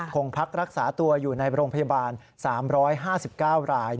พักรักษาตัวอยู่ในโรงพยาบาล๓๕๙ราย